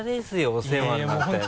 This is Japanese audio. お世話になってるのは。